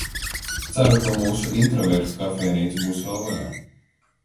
Ceru, ka mūsu intravertu kafejnīca būs vēl vaļā.